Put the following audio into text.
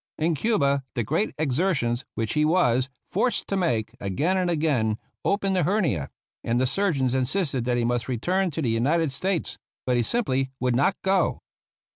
In Cuba the great exertions which he was forced to make, again and again opened the hernia, and the surgeons insisted that he must return to the United States ; but he simply would not go.